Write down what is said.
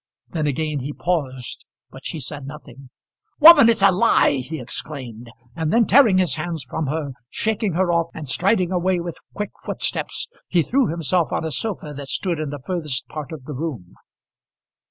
Then again he paused, but she said nothing. "Woman, it's a lie," he exclaimed; and then tearing his hands from her, shaking her off, and striding away with quick footsteps, he threw himself on a sofa that stood in the furthest part of the room.